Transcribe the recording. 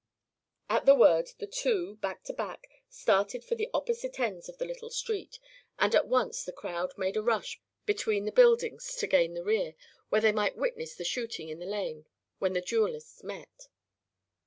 At the word the two, back to back, started for the opposite ends of the little street, and at once the crowd made a rush between the buildings to gain the rear, where they might witness the shooting in the lane when the duelists met.